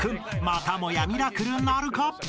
［またもやミラクルなるか？］